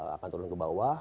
akan turun ke bawah